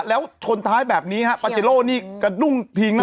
แล้วชนท้ายแบบนี้ฮะปาเจโร่นี่กระดุ้งทิ้งนะ